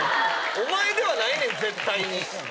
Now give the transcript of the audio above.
お前ではないねん絶対に。